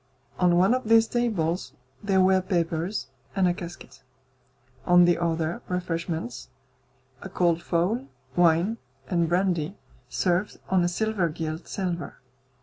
On one of these tables there were papers and a casket, on the other refreshments; a cold fowl, wine, and brandy, served on a silver gilt salver.